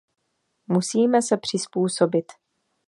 Musíme se přizpůsobit.